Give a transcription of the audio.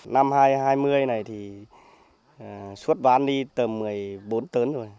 năm hai nghìn hai mươi này thì xuất bán đi tầm một mươi bốn tấn rồi